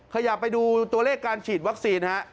ขยับไปดูตัวเลขการฉีดวัคซีนฮะ